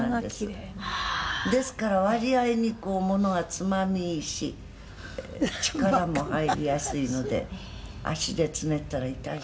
「ですから割合にこう物がつまみいいし力も入りやすいので足でつねったら痛いです」